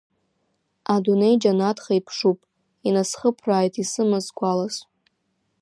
Адунеи џьанаҭха иԥшуп, инасхыԥрааит исымаз гәалас.